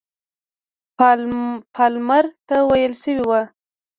پالمر ته ویل شوي وه.